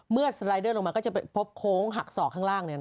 เมื่อสไลเดอร์ลงมาจะเป็นปลบโค้งหักศอกข้างล่างเนี่ยนะ